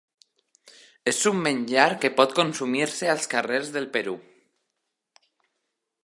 És un menjar que pot consumir-se als carrers del Perú.